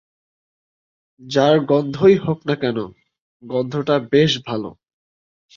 যার গন্ধই হোক না কেন, গন্ধটা বেশ ভালো।